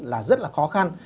là rất là khó khăn